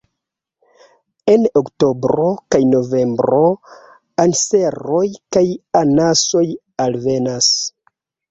En oktobro kaj novembro anseroj kaj anasoj alvenas.